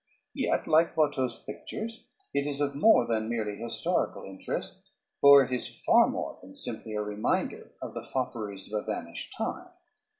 Yet, like Watteau's pictures it is of more than merely historic interest, for it is far more than simply a reminder of the fopperies of a vanished time.